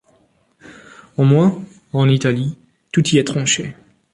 Au moins, en Italie, tout y est tranché.